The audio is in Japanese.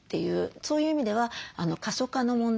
そういう意味では過疎化の問題